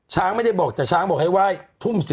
ช้างไม่ได้บอกแต่ช้างบอกให้ไหว้ทุ่ม๑๐